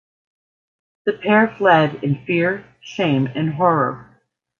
The pair fled in fear, shame, and horror.